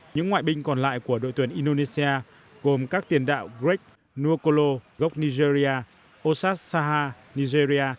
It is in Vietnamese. những ngoại binh còn lại của đội tuyển indonesia gồm các tiền đạo greg nukolo gốc nigeria osas saha nigeria